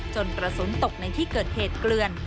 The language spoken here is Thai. กระสุนตกในที่เกิดเหตุเกลือน